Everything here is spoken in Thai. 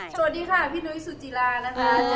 สวัสดีค่ะพี่นุ้ยสุจิลานะคะ